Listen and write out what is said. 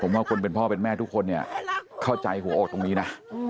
ผมว่าคนเป็นพ่อเป็นแม่ทุกคนเนี่ยเข้าใจหัวอกตรงนี้นะ